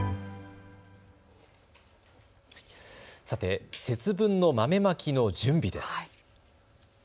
さて、節分の豆まきの準備です。